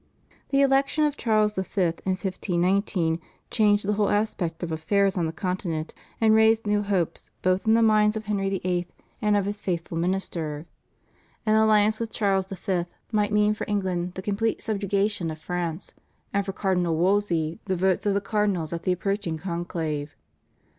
The election of Charles V. in 1519 changed the whole aspect of affairs on the Continent, and raised new hopes both in the minds of Henry VIII. and of his faithful minister. An alliance with Charles V. might mean for England the complete subjugation of France, and for Cardinal Wolsey the votes of the cardinals at the approaching conclave.